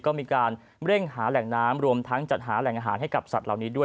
ก็มีการเร่งหาแหล่งน้ำรวมทั้งจัดหาแหล่งอาหารให้กับสัตว์เหล่านี้ด้วย